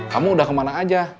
kamu udah kemana aja